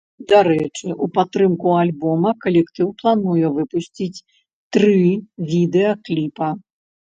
Дарэчы, у падтрымку альбома калектыў плануе выпусціць тры відэакліпа.